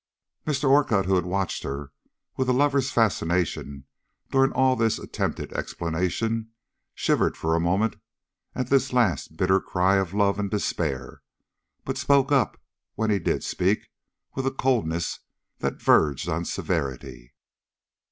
Mr. Orcutt, who had watched her with a lover's fascination during all this attempted explanation, shivered for a moment at this last bitter cry of love and despair, but spoke up when he did speak, with a coldness that verged on severity.